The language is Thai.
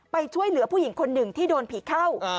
ไปช่วยเหลือผู้หญิงคนหนึ่งที่โดนผีเข้า